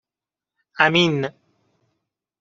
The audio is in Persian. امین